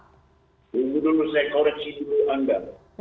tunggu dulu saya koreksi dulu anda